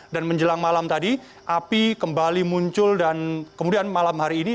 dan menjelang malam tadi api kembali muncul dan kemudian malam hari ini